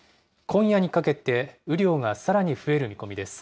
今夜にかけて雨量がさらに増える見込みです。